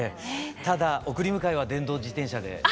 ただ送り迎えは電動自転車で。